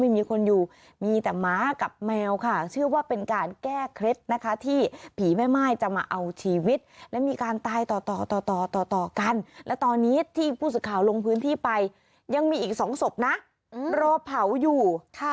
พูดสุดข่าวลงพื้นที่ไปยังมีอีกสองศพนะรอเผาอยู่ค่ะ